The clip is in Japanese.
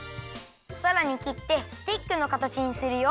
さらにきってスティックのかたちにするよ！